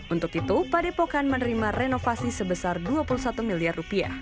untuk itu padepokan menerima renovasi sebesar rp dua puluh satu miliar